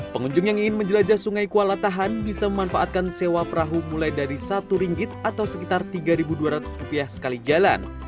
pengunjung yang ingin menjelajah sungai kuala tahan bisa memanfaatkan sewa perahu mulai dari satu ringgit atau sekitar rp tiga dua ratus rupiah sekali jalan